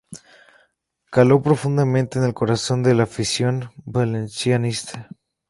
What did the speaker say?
Caló profundamente en el corazón de la afición valencianista.